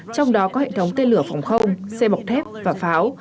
trong đó có hệ thống tên lửa phòng không xe bọc thép và pháo